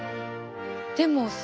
でもさ。